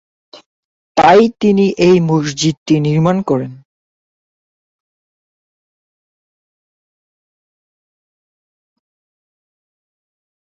তাই তিনি এই মসজিদটি নির্মাণ করেন।